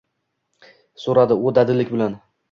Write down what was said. so`radi u dadillik bilan